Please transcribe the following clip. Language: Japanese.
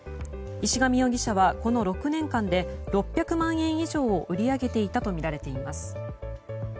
石上容疑者は、この６年間で６００万円以上を売り上げていたとみられています。